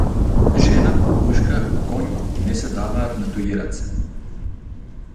Жена, пушка и коњ не се даваат на туѓи раце.